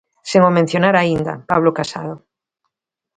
Sen o mencionar aínda, Pablo Casado.